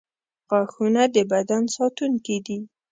• غاښونه د بدن ساتونکي دي.